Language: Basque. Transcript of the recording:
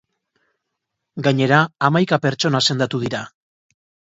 Gainera, hamaika pertsona sendatu dira.